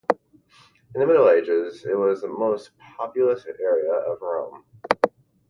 In the Middle Ages, it was the most populous area of Rome.